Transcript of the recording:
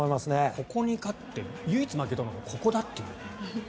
ここに勝って唯一負けたのがここだというね。